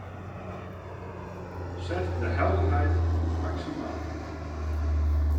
Set de helderheid op maksimaal.